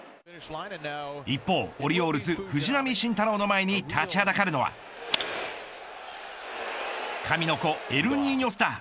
一方、オリオールズ藤浪晋太郎の前に立ちはだかるのは神の子・エルニーニョスター。